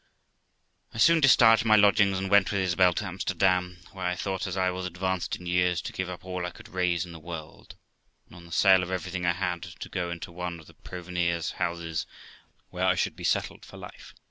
428 THE LIFE OF ROXANA I soon discharged my lodgings and went with Isabel to Amsterdam, where I thought, as I was advanced in years, to give up all I could raise in the world, and on the sale of everything I had to go into one of the Proveniers' houses, where I should be settled for life.